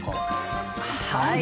はい。